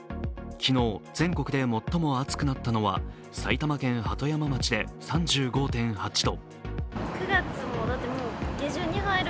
昨日、全国で最も暑くなったのは埼玉県鳩山町で３５．８度。